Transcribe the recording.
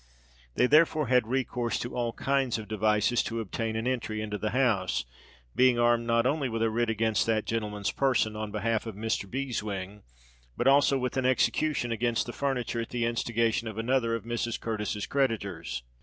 They therefore had recourse to all kinds of devices to obtain an entry into the house, being armed not only with a writ against that gentleman's person on behalf of Mr. Beeswing, but also with an execution against the furniture at the instigation of another of Mrs. Curtis's creditors.